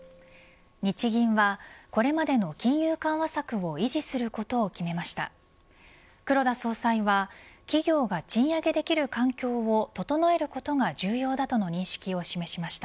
日銀は、これまでの金融緩和策を維持することを決めました。